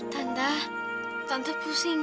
tante tante pusing